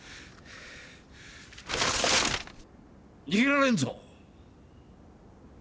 逃げられんぞ。